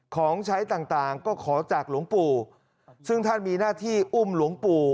ของใช้ต่างต่างก็ขอจากหลวงปู่ซึ่งท่านมีหน้าที่อุ้มหลวงปู่